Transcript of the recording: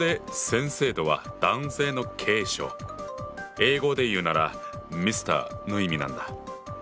英語で言うなら「Ｍｒ．」の意味なんだ。